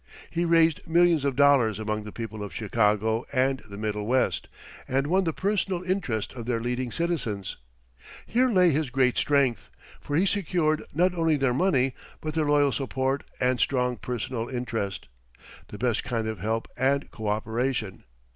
He raised millions of dollars among the people of Chicago and the Middle West, and won the personal interest of their leading citizens. Here lay his great strength, for he secured not only their money but their loyal support and strong personal interest the best kind of help and coöperation.